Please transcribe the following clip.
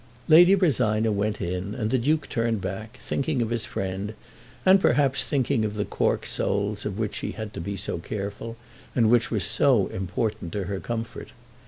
Lady Rosina went in, and the Duke turned back, thinking of his friend and perhaps thinking of the cork soles of which she had to be so careful and which were so important to her comfort.